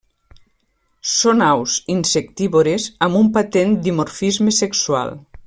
Són aus insectívores amb un patent dimorfisme sexual.